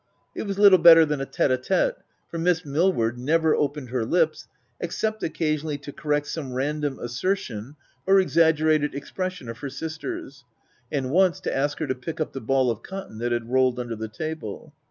It was little better than a tete a tete, for Miss Millward never opened her lips, except occasionally to correct some random assertion or exaggerated expression of her sister's, and once to ask her to. pick up the ball of cotton, that had rolled under the table.